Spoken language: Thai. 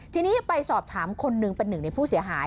ทีนี้ไปสอบถามคนหนึ่งเป็นหนึ่งในผู้เสียหาย